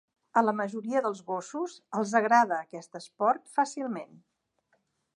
A la majoria dels gossos els agrada aquest esport fàcilment.